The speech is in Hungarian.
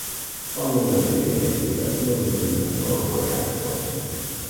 Tanulmányai végeztével különböző zenekarokban játszott.